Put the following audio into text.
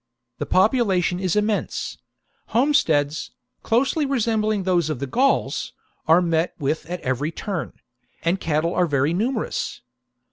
The population is immense : homesteads, closely resembling those of the Gauls, are met with at every turn ; and cattle are very numerous.